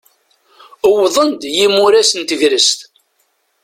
Uwḍen-d yimuras n tegrest.